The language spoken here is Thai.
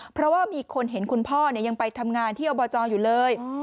เพราะว่ามีคนเห็นคุณพ่อยังไปทำงานที่อบจอยู่เลย